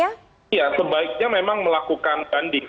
iya sebaiknya memang melakukan banding